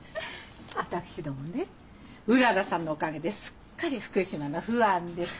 私どもねうららさんのおかげですっかり福島のファンです。